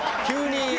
急に。